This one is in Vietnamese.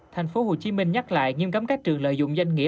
tp hcm nhắc lại nghiêm cấm các trường lợi dụng danh nghĩa